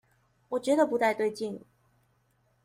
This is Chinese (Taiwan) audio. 我覺得不太對勁